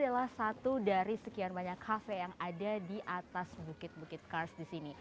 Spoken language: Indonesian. adalah satu dari sekian banyak kafe yang ada di atas bukit bukit kars di sini